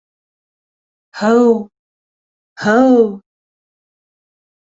Һыу!.. һыу!